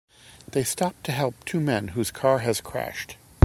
They stop to help two men whose car has crashed.